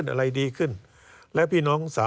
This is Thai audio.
การเลือกตั้งครั้งนี้แน่